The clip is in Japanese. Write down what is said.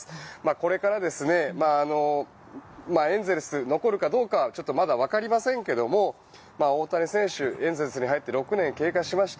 これからエンゼルスに残るかどうかはまだわかりませんが大谷選手はエンゼルスに入って６年経過しました。